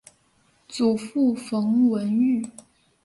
祖父冯文玉。